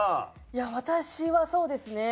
いや私はそうですね